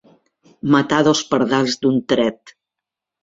Matar dos pardals d'un tret.